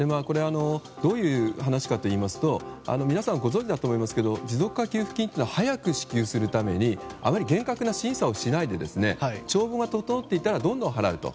どういう話かといいますと皆さん、ご存じだと思いますが持続化給付金っていうのは早く支給するためにあまり厳格な審査をしないで帳簿が整っていたらどんどん払うと。